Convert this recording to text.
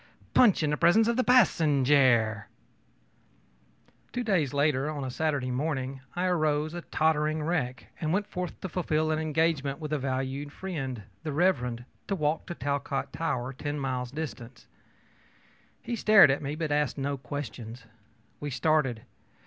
punch in the presence of the passenjare!ö Two days later, on Saturday morning, I arose, a tottering wreck, and went forth to fulfil an engagement with a valued friend, the Rev. Mr. , to walk to the Talcott Tower, ten miles distant. He stared at me, but asked no questions. We started.